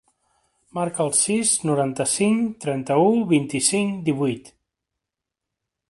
Marca el sis, noranta-cinc, trenta-u, vint-i-cinc, divuit.